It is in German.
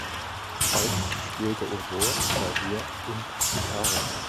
Feik spielte Oboe, Klavier und Gitarre.